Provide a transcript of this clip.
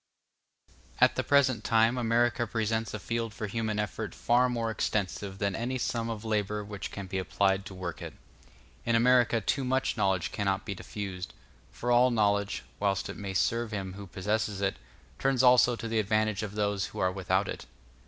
At the present time America presents a field for human effort far more extensive than any sum of labor which can be applied to work it. In America too much knowledge cannot be diffused; for all knowledge, whilst it may serve him who possesses it, turns also to the advantage of those who are without it.